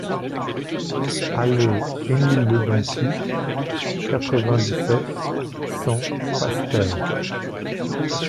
Allée Emile le Dentu, quatre-vingt-dix-sept, cent Basse-Terre